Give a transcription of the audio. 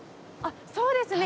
そうですね。